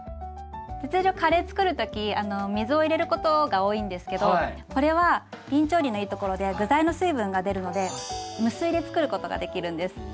通常カレー作る時水を入れることが多いんですけどこれはびん調理のいいところで具材の水分が出るので無水で作ることができるんです。